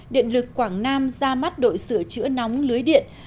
điện lực quảng nam ra mắt đội sửa chữa nóng lưới điện